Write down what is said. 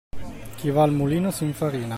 Chi va al mulino s'infarina.